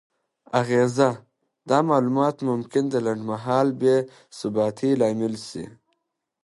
اغیزه: دا معلومات ممکن د لنډمهاله بې ثباتۍ لامل شي؛